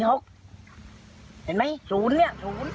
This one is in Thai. เห็นมั้ย๐เนี่ย